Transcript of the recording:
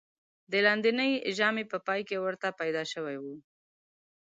د لاندېنۍ ژامې په پای کې ورته پیدا شوی و.